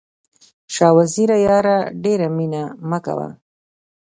شاه وزیره یاره ډېره مینه مه کوه.